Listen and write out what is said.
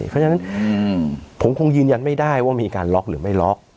เพราะฉะนั้นผมคงยืนยันไม่ได้ว่ามีการล็อกหรือไม่ล็อก